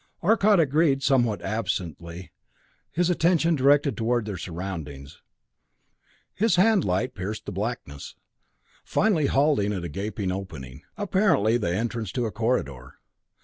Arcot agreed somewhat absently, his attention directed toward their surroundings. His hand light pierced the blackness, finally halting at a gaping opening, apparently the entrance to a corridor.